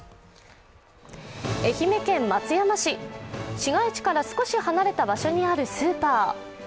愛媛県松山市、市街地から少し離れた場所にあるスーパー。